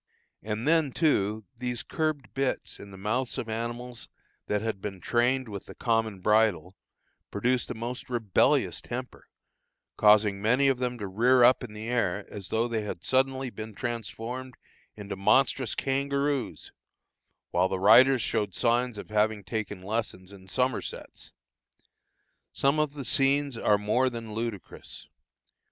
And then, too, these curbed bits in the mouths of animals that had been trained with the common bridle, produced a most rebellious temper, causing many of them to rear up in the air as though they had suddenly been transformed into monstrous kangaroos, while the riders showed signs of having taken lessons in somersets. Some of the scenes are more than ludicrous.